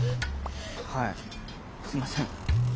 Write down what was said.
はいすいません。